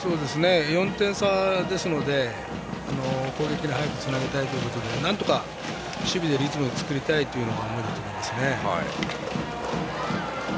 ４点差ですので攻撃に早くつなぎたいというところでなんとか守備でリズムを作りたいという思いだと思います。